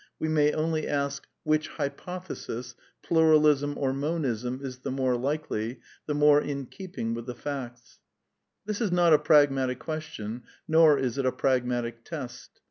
we may only ask Which hypothesis, Pluralism or Monism, is the more likely, the more in keeping with the facts ? This is not a pragmatic question, nor is it a pragmatic test.